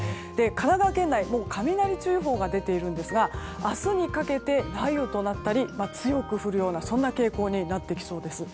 神奈川県内、雷注意報が出ているんですが明日にかけて雷雨となったり強く降るような傾向になってきそうです。